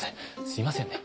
すいませんね。